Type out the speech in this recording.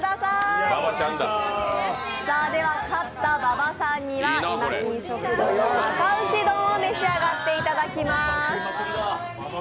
勝った馬場さんには、いまきん食堂のあか牛丼を召し上がっていただきます。